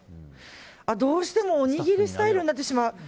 どうしても、おにぎりスタイルになってしまう。